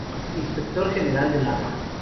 Inspector General del Arma.